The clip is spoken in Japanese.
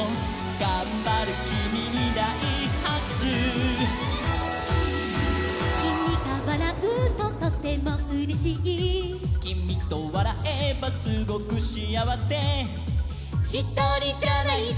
「がんばるキミにだいはくしゅ」「キミがわらうととてもうれしい」「キミとわらえばすごくしあわせ」「ひとりじゃないどんなときも」